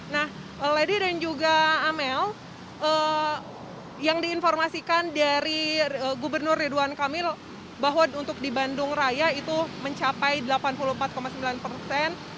nah lady dan juga amel yang diinformasikan dari gubernur ridwan kamil bahwa untuk di bandung raya itu mencapai delapan puluh empat sembilan persen